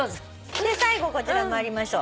最後こちら参りましょう。